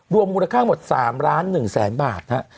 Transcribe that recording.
รวมมูลค่าหมด๓ล้าน๑แสนบาทฮะ